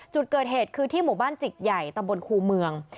จุดเกิดเหตุคือที่หมู่บ้านจิกใหญ่ตำบลครูเมือง